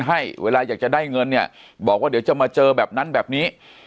ให้เวลาอยากจะได้เงินเนี่ยบอกว่าเดี๋ยวจะมาเจอแบบนั้นแบบนี้